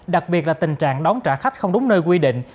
đặc biệt là tình trạng đón trả khách không đúng nơi quy định